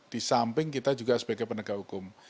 di samping kita juga sebagai penegak hukum